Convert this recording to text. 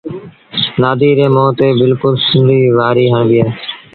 نآديٚ ري مݩهݩ تي بلڪُل سنڙيٚ وآريٚ هڻبيٚ اهي۔